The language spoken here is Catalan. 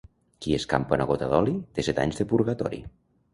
Qui escampa una gota d'oli, té set anys de purgatori.